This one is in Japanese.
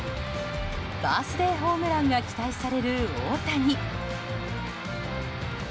バースデーホームランが期待される大谷。